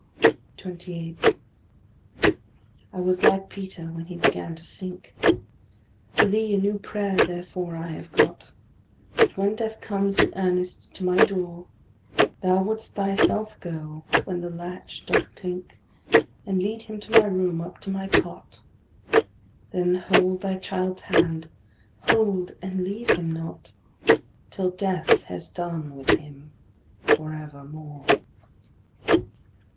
28. I was like Peter when he began to sink. To thee a new prayer therefore I have got That, when Death comes in earnest to my door, Thou wouldst thyself go, when the latch doth clink, And lead him to my room, up to my cot; Then hold thy child's hand, hold and leave him not, Till Death has done with him for evermore.